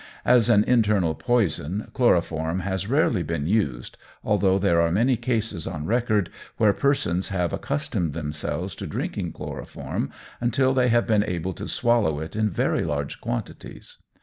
As an internal poison chloroform has rarely been used, although there are many cases on record where persons have accustomed themselves to drinking chloroform, until they have been able to swallow it in very large quantities.